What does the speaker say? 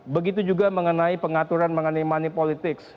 begitu juga mengenai pengaturan mengenai money politics